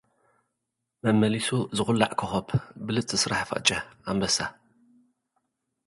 መመሊሱ ዝኹላዕ ኮኾብ ብልጽቲ ስራሕ ፋጨ ኣንበሳ